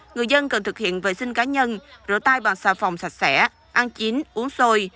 người dân cần thực hiện vệ sinh cá nhân rửa tay bằng xà phòng sạch sẽ ăn chín uống xôi